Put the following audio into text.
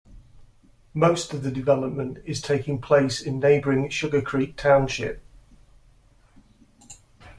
Most of the development is taking place in neighboring Sugarcreek Twp.